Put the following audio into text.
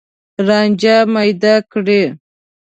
رانجه میده کړي